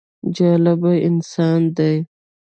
جالبه انسان دی.